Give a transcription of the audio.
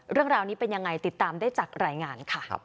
เรื่องราวนี้เป็นยังไงติดตามได้จากรายงานค่ะ